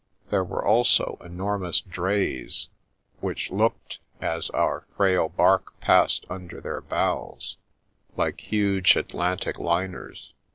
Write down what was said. There were also enormous drays, which looked, as our frail bark passed under their bows, like huge Atlantic liners.